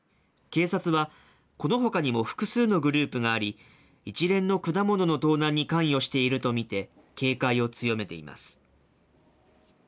警察は、このほかにも複数のグループがあり、一連の果物の盗難に関与していると見て、警戒を強めています。